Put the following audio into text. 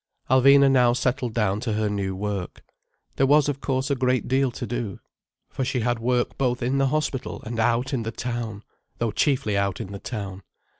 Alvina now settled down to her new work. There was of course a great deal to do, for she had work both in the hospital and out in the town, though chiefly out in the town.